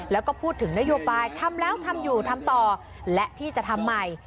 แล้วก็พูดถึงนโยบายทำแล้วทำอยู่ทำต่อและที่จะทำใหม่